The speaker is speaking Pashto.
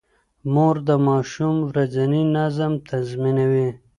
مور د ماشوم ورځنی نظم تنظيموي.